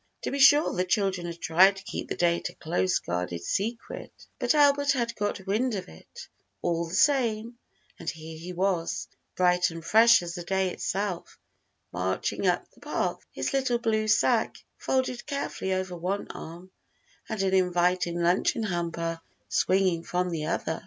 To be sure, the children had tried to keep the date a close guarded secret, but Albert had got wind of it, all the same; and here he was, bright and fresh as the day itself, marching up the path, his little blue sacque folded carefully over one arm, and an inviting luncheon hamper swinging from the other.